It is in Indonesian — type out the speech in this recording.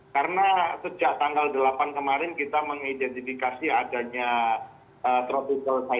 karena sejak tanggal delapan kemarin kita mengidentifikasi adanya tropical cyclone karim